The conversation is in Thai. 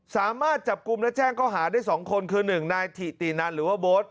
สามารถจับกลุ่มและแจ้งข้อหาได้๒คนคือ๑นายถิตินันหรือว่าโบ๊ท